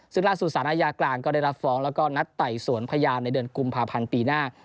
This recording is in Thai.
ซึ่งล่าสุดสารอาญากลางก็ได้รับฟ้องแล้วก็นัดไต่สวนพยานในเดือนกุมภาพันธ์ปีหน้า